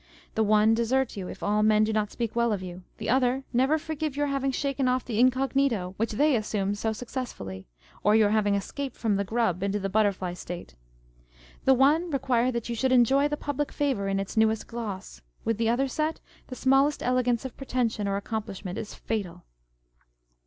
The one desert you, if all men do not speak well of you : the other never forgive your having shaken off the incog nito which they assume so successfully, or your having escaped from the Grub into the Butterfly state. The one require that you should enjoy the public favour in its newest gloss : with the other set, the smallest elegance of pretension or accomplishment is fatal.